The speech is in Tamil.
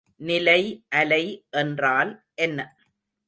நிலை அலை என்றால் என்ன?